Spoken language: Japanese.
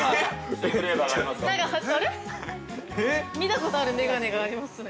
◆あれっ、見たことある眼鏡がありますね。